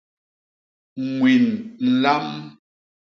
Ñwin nlam.